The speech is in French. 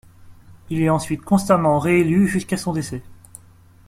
Il est ensuite constamment réélu jusqu'à son décès.